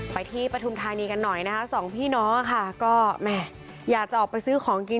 ที่ปฐุมธานีกันหน่อยนะคะสองพี่น้องค่ะก็แม่อยากจะออกไปซื้อของกิน